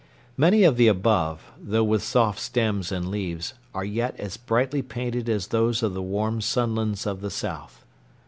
Many of the above, though with soft stems and leaves, are yet as brightly painted as those of the warm sunlands of the south.